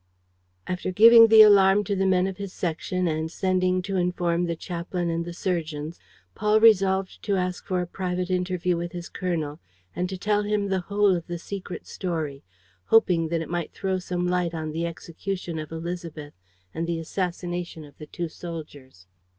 After giving the alarm to the men of his section and sending to inform the chaplain and the surgeons, Paul resolved to ask for a private interview with his colonel and to tell him the whole of the secret story, hoping that it might throw some light on the execution of Élisabeth and the assassination of the two soldiers.